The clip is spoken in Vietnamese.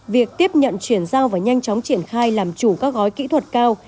việc tiếp nhận chuyển giao và nhanh chóng triển khai làm chủ các gói kỹ thuật cao